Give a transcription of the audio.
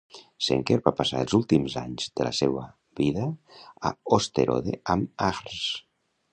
Zenker va passar els últims anys de la seva vida a Osterode am Harz.